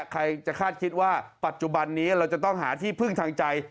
ใครจะคาดคิดว่าปัจจุบันนี้เราจะต้องหาที่พึ่งทางใจ